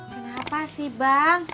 kenapa sih bang